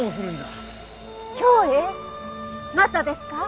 またですか？